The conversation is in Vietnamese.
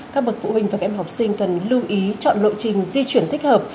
các bậc phụ huynh và các em học sinh cần lưu ý chọn lộ trình di chuyển thích hợp